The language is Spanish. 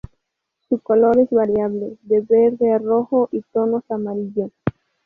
Su color es variable, de verde a rojo y tonos amarillo.